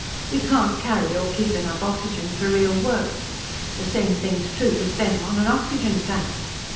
We can't carry or keep enough oxygen for real work. The same thing's true with them on an oxygen planet.